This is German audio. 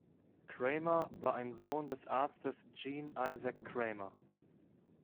Cramer war ein Sohn des Arztes Jean Isaac Cramer.